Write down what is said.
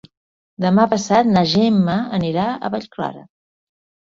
Demà passat na Gemma anirà a Vallclara.